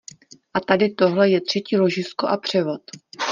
A tady tohle je třecí ložisko a převod.